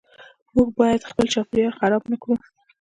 موږ باید خپل چاپیریال خراب نکړو .